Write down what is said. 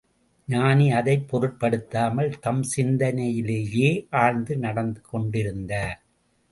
ஞானி அதைப் பொருட்படுத்தாமல், தம் சிந்தனையிலேயே ஆழ்ந்து நடந்து கொண்டிருந்தார்.